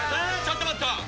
ちょっと待った！